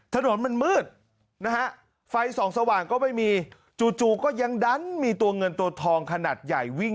ถนนมันมืดนะฮะไฟส่องสว่างก็ไม่มีจู่ก็ยังดันมีตัวเงินตัวทองขนาดใหญ่วิ่ง